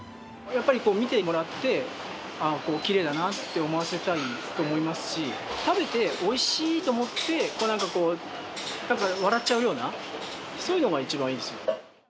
やっぱり見てもらって、きれいだなって思わせたいと思いますし、食べておいしいと思って、なんかこう、なんか笑っちゃうような、そういうのが一番いいです。